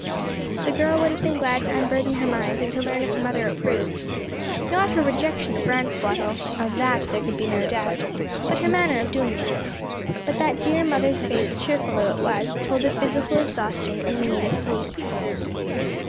The girl would have been glad to unburden her mind and to learn if her mother approved not her rejection of Ransquattle of that there could be no doubt but her manner of doing it; but that dear mother's face cheerful though it was, told of physical exhaustion and need of sleep.